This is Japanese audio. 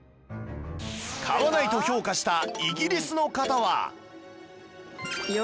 「買わない」と評価したイギリスの方は